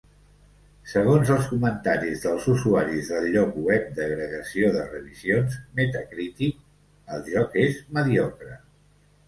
Segons els comentaris dels usuaris del lloc web d'agregació de revisions Metacritic, el joc és "mediocre".